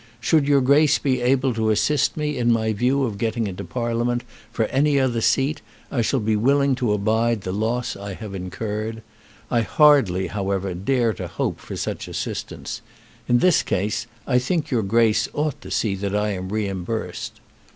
Should your Grace be able to assist me in my view of getting into Parliament for any other seat I shall be willing to abide the loss I have incurred. I hardly, however, dare to hope for such assistance. In this case I think your Grace ought to see that I am reimbursed.